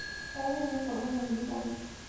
班茂为该镇之首府。